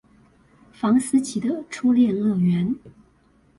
房思琪的初戀樂園